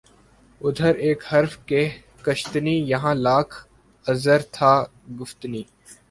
ادھر ایک حرف کہ کشتنی یہاں لاکھ عذر تھا گفتنی